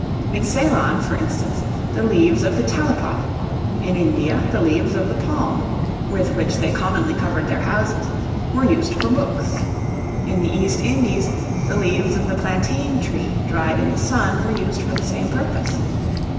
In Ceylon, for instance, the leaves of the talipot; in India, the leaves of the palm (with which they commonly covered their houses,) were used for books. In the East Indies, the leaves of the plantain tree, dried in the sun, were used for the same purpose.